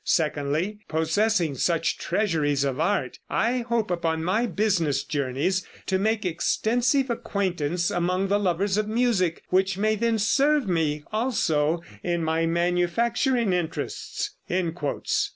Secondly, possessing such treasures of art, I hope upon my business journeys to make extensive acquaintance among the lovers of music, which may then serve me also in my manufacturing interests."